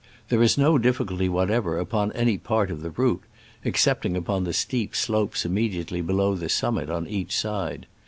There is no difficulty whatever upon any part of the route, excepting upon the steep slopes immediately below the sum mit on each side.